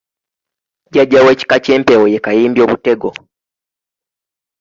Jjajja w’ekika ky’empeewo ye Kayimbyobutego.